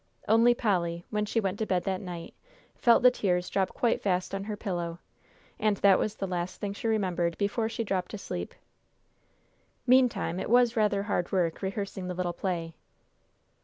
Only Polly, when she went to bed that night, felt the tears drop quite fast on her pillow, and that was the last thing she remembered before she dropped to sleep. Meantime, it was rather hard work rehearsing the little play.